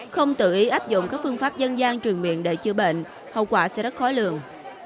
không tự ý áp dụng các phương pháp dân gian truyền miệng để chữa bệnh hậu quả sẽ rất khó lường